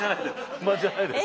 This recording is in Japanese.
不満じゃないです。